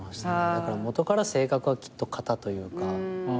だからもとから性格はきっと形というか。